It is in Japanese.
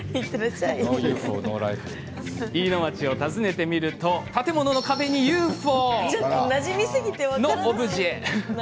飯野町を訪ねてみると建物の壁にＵＦＯのオブジェ。